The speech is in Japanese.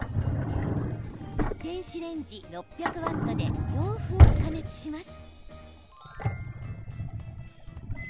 電子レンジ６００ワットで４分、加熱します。